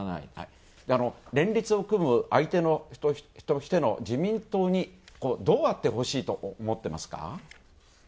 連立を組む相手としての自民党にどうあってほしいと思っていますか？